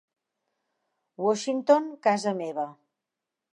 Washington, casa meva.